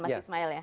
mas ismail ya